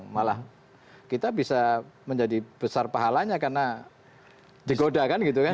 malah kita bisa menjadi besar pahalanya karena digoda kan gitu kan